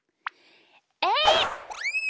えい！